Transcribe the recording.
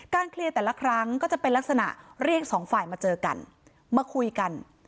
เคลียร์แต่ละครั้งก็จะเป็นลักษณะเรียกสองฝ่ายมาเจอกันมาคุยกัน